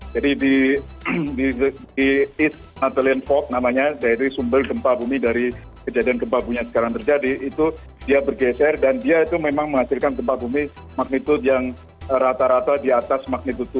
jadi di east anatolian fault namanya dari sumber gempa bumi dari kejadian gempa bumi yang sekarang terjadi itu dia bergeser dan dia itu memang menghasilkan gempa bumi magnitudo yang rata rata di atas magnitudo tujuh